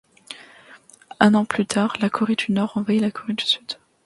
Un an plus tard, la Corée du Nord envahit la Corée du Sud.